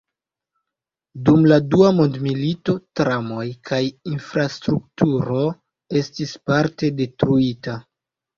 Dum la Dua Mondmilito, tramoj kaj infrastrukturo estis parte detruita.